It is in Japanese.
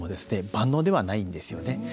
万能ではないんですよね。